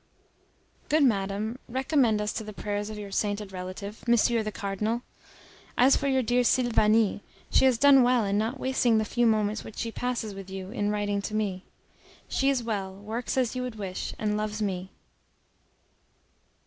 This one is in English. Good Madame, recommend us to the prayers of your sainted relative, Monsieur the Cardinal. As for your dear Sylvanie, she has done well in not wasting the few moments which she passes with you in writing to me. She is well, works as you would wish, and loves me.